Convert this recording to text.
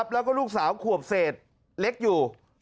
แล้วก็ลูกสาวขวบเศษเล็กอยู่